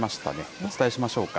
お伝えしましょうか。